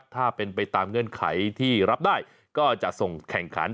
ถ้าเป็นไปตามเงื่อนไขที่รับได้ก็จะส่งแข่งขัน